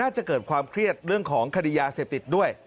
จะเกิดความเครียดเรื่องของคดียาเสพติดด้วย